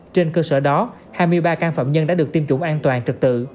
trên cơ sở đó hai mươi ba can phạm nhân đã được tiêm chủng an toàn trực tự